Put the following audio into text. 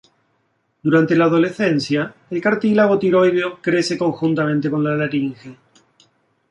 Durante la adolescencia, el cartílago tiroideo crece conjuntamente con la laringe.